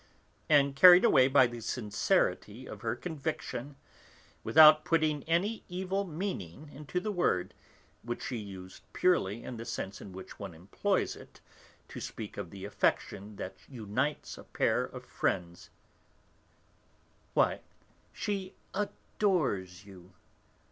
And, carried away by the sincerity of her conviction, without putting any evil meaning into the word, which she used purely in the sense in which one employs it to speak of the affection that unites a pair of friends: "Why, she adores you!